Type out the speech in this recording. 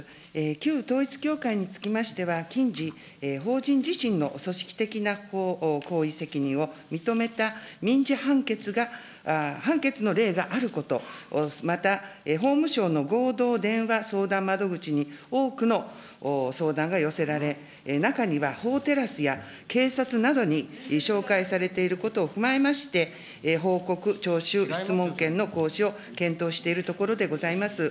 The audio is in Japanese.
旧統一教会につきましては、近時、法人自身の組織的な行為責任を認めた民事判決が、判決の例があること、また、法務省の合同電話相談窓口に多くの相談が寄せられ、中には、法テラスや警察などに紹介されていることを踏まえまして、報告徴収、質問権の行使を検討しているところでございます。